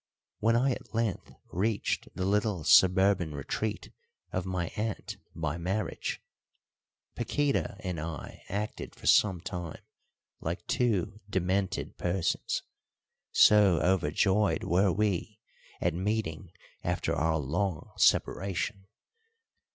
When I at length reached the little suburban retreat of my aunt (by marriage), Paquíta and I acted for some time like two demented persons, so overjoyed were we at meeting after our long separation.